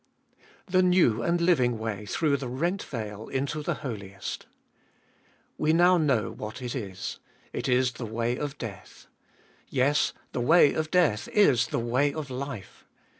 The new and living way through the rent veil into the Holiest. We now know what it is : it is the way of death. Yes, the way of death is the way of life.